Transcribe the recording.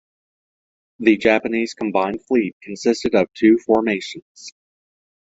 The Japanese Combined Fleet consisted of two formations.